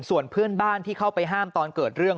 ส่วนเพื่อนบ้านที่เข้าไปห้ามตอนเกิดเรื่อง